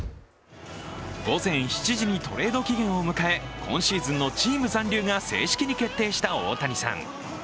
午前７時にトレード期限を迎え今シーズンのチーム残留が正式に決定した大谷さん。